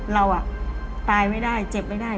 เราตายไม่ได้เจ็บไม่ได้